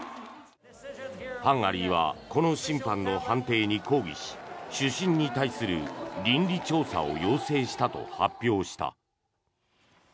ハンガリーはこの審判の判定に抗議し主審に対する倫理調査を要請したと発表した。